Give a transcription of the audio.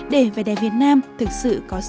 để về đài việt nam thực sự có sức lan tỏa và biển lâu